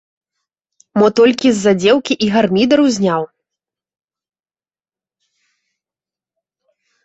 Мо толькі з-за дзеўкі і гармідар узняў?